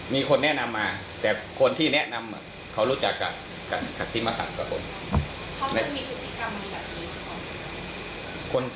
มีคนแนะนำมาแต่คนที่แนะนำเขารู้จักจะกับที่มาขับกับคน